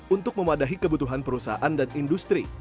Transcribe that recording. untuk memadahi kebutuhan perusahaan dan industri